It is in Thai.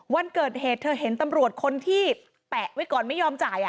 วันเกิดเหตุเธอเห็นตำรวจคนที่แปะไว้ก่อนไม่ยอมจ่าย